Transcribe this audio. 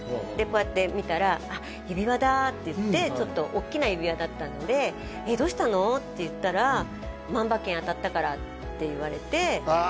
こうやって見たら「あっ指輪だ」って言ってちょっとおっきな指輪だったので「えっどうしたの？」って言ったらって言われてああ